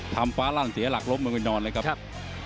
ทำฟ้ารันเสียหลักลบมันก็นอนเลยครับ